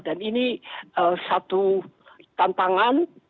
dan ini satu tantangan